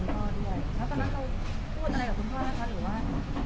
แล้วตอนนั้นเราพูดอะไรกับคุณพ่อคะหรือว่า